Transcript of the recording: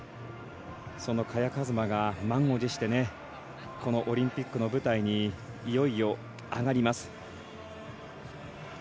その萱和磨が満を持してオリンピックの舞台にいよいよ上がります。